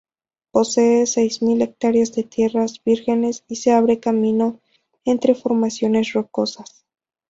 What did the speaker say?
Posee seis mil hectáreas de tierras vírgenes y se abre camino entre formaciones rocosas.